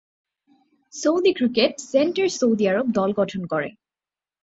Saudi cricket centre Saudi Arabia দল গঠন করে।